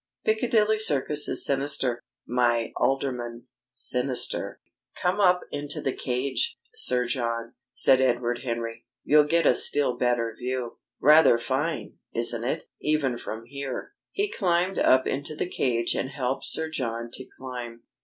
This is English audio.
Piccadilly Circus is sinister, my Alderman sinister." "Come up into the cage, Sir John," said Edward Henry. "You'll get a still better view. Rather fine, isn't it, even from here?" He climbed up into the cage and helped Sir John to climb.